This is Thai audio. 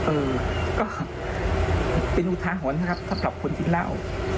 เออก็เป็นอุทาหรณ์นะครับสำหรับคนกินเหล้า